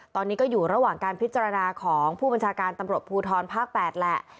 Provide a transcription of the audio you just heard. ตอนนี้ก็อยู่ระหว่างการพิจารณาของผู้บัญชาการตำรวจภูทรภาค๘แหละ